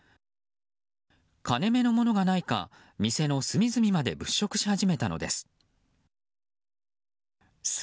金目のものがないか店の隅々まで物色し始めたのです。